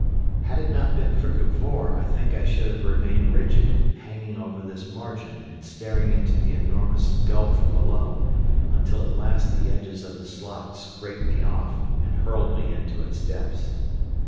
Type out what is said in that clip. Had it not been for Cavor I think I should have remained rigid, hanging over this margin and staring into the enormous gulf below, until at last the edges of the slot scraped me off and hurled me into its depths.